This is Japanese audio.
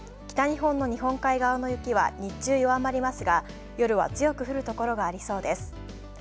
北日本の日本海側の雪は日中弱まりますが、夜は強く降るところがありそうです。